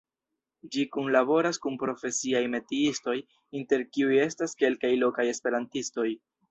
Ĝi kunlaboras kun profesiaj metiistoj, inter kiuj estas kelkaj lokaj esperantistoj.